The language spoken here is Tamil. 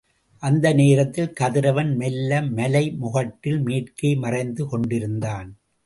அந்த நேரத்தில் கதிரவன் மெல்ல மலை முகட்டில் மேற்கே மறைந்து கொண்டிருந்தான்.